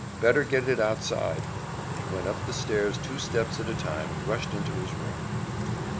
Better get it outside," and he went up the stairs two steps at a time and rushed into his room.